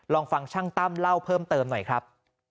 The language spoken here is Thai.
ลองฟังช่างตั้มเล่าเพิ่มเติมหน่อยครับ